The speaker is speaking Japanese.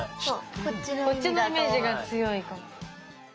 こっちのイメージが強いかも。